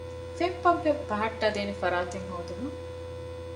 ފެން ޕަންޕެއް ބަހައްޓައިދޭނެ ފަރާތެއް ހޯދުމަށް